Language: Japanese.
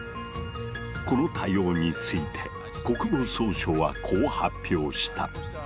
この対応について国防総省はこう発表した。